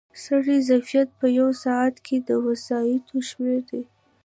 د سړک ظرفیت په یو ساعت کې د وسایطو شمېر دی